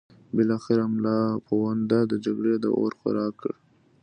بالاخره ملا پوونده د جګړې د اور خوراک کړ.